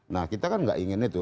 nah kita kan nggak ingin itu